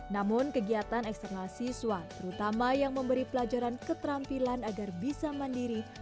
namun kegiatan eksternal siswa terutama yang memberi pelajaran keterampilan agar bisa mandiri